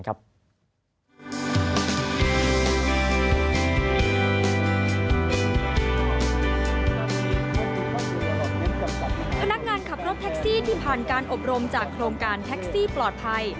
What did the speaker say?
พนักงานขับรถแท็กซี่ที่ผ่านการอบรมจากโครงการแท็กซี่ปลอดภัย